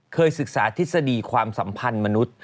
เคยศึกษาทฤษฎีความสัมพันธ์มนุษย์